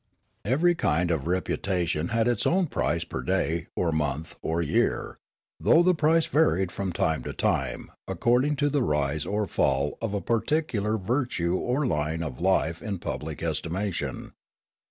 Every kind of reputation had its own price per day or month or year, though the price varied from time to time according to the rise or fall of a particular virtue or line of life in public estimation.